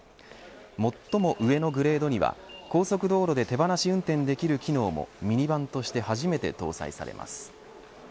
最も上のグレードには高速道路で手放し運転できる機能もミニバンとして初めて搭載されます。